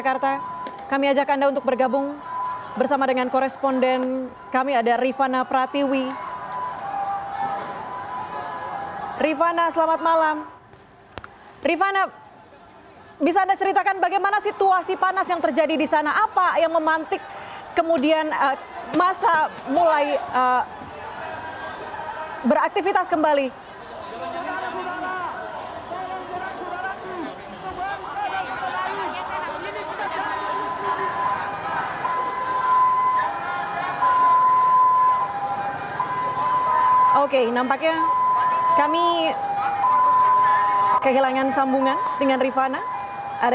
kepala ibu ibu saudara saudara mereka hadir dengan nurani untuk berjuang bersama kita untuk keadilan dan kebenaran saudara saudara